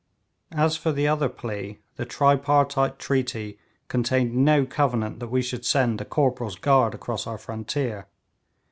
As for the other plea, the tripartite treaty contained no covenant that we should send a corporal's guard across our frontier.